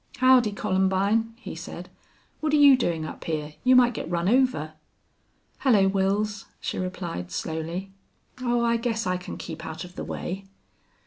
"Howdy, Columbine!" he said. "What are you doing up here? You might get run over." "Hello, Wils!" she replied, slowly. "Oh, I guess I can keep out of the way."